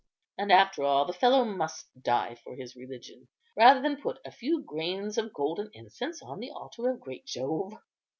And, after all, the fellow must die for his religion, rather than put a few grains of golden incense on the altar of great Jove.